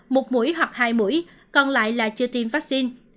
một mũi hoặc hai mũi còn lại là chưa tiêm vaccine